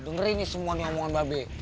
dengar ini semua nyamungan mbak b